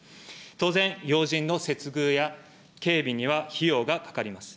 当然、要人の接遇や警備には費用がかかります。